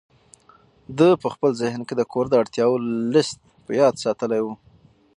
ده په خپل ذهن کې د کور د اړتیاوو لست په یاد ساتلی و.